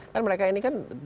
kan mereka ini kan